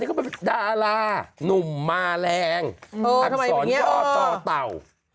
นี่ก็เป็นดาราหนุ่มมาแรงถัดสอนยอดต่อเต่า